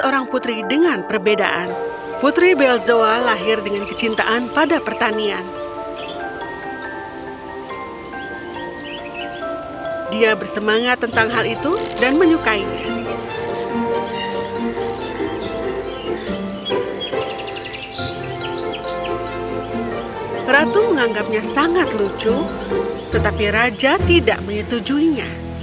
ratu menganggapnya sangat lucu tetapi raja tidak menyetujuinya